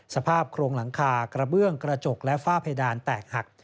โครงหลังคากระเบื้องกระจกและฝ้าเพดานแตกหัก